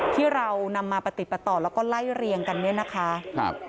ที่เรานำมาปฏิปต่อแล้วก็ไล่เรียงกันเนี่ยนะคะครับ